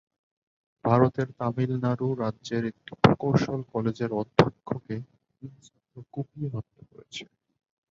ভারতের তামিলনাড়ু রাজ্যের একটি প্রকৌশল কলেজের অধ্যক্ষকে তিন ছাত্র কুপিয়ে হত্যা করেছে।